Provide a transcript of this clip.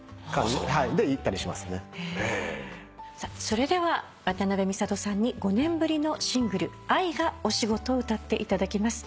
それでは渡辺美里さんに５年ぶりのシングル『愛がお仕事』を歌っていただきます。